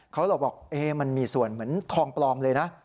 เขาเลยบอกมันมีส่วนเหมือนทองปลอมเลยนะ